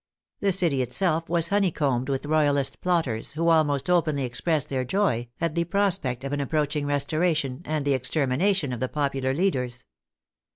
The city itself was honeycombed with Royalist plotters, who almost openly expressed their joy at the prospect of an approach ing restoration, and the extermination of the popular leaders.